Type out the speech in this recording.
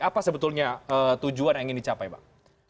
apa sebetulnya tujuan yang ingin dicapai bang